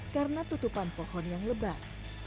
karena tutupan pohon yang lebar